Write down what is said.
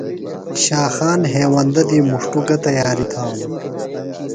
شاخان ہیوندہ دی مُݜٹوۡ گہ تیاریۡ تھانوۡ؟